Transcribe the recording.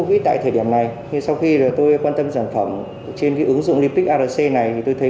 lý tại thời điểm này sau khi là tôi quan tâm sản phẩm trên cái ứng dụng limit act này thì tôi thấy